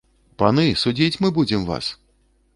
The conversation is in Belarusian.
Паны, судзіць мы будзем вас!